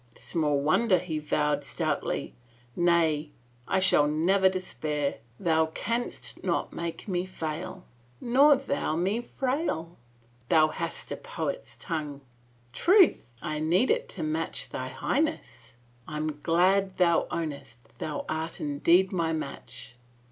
Small wonder he vowed stoutly, " Nay, I shall never despair. Thou canst not make me fail." " Nor thou me frail." *' Thou hast a poet's tongue." " Truth, I need it to match thy Highness." " I am glad thou ownest thou art indeed my match."